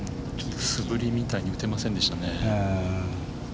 素振りみたいに打てませんでしたね。